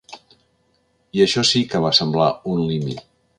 I això sí que va semblar un límit.